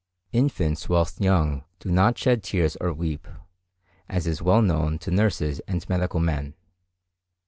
Infants whilst young do not shed tears or weep, as is well known to nurses and medical men.